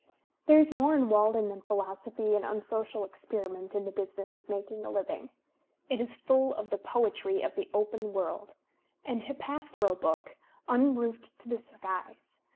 There is more in "Walden" than philosophy and unsocial experiment in the business of making a living. It is full of the poetry of the open world, an "hypaethral" book, un Digitized by Google THOREAU 185 roofed to the skies.